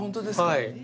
はい。